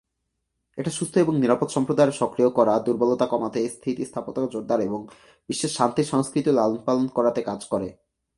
এটা সুস্থ এবং নিরাপদ সম্প্রদায়ের সক্রিয় করা, দুর্বলতা কমাতে স্থিতিস্থাপকতা জোরদার এবং বিশ্বের শান্তির সংস্কৃতি লালনপালন করাতে কাজ করে।